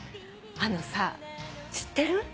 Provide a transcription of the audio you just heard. あのさ知ってる？